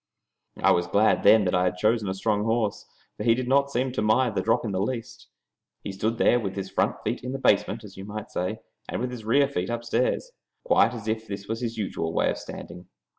I was glad then that I had chosen a strong horse, for he did not seem to mind the drop in the least. He stood there with his front feet in the basement, as you might say, and with his rear feet upstairs, quite as if that was his usual way of standing.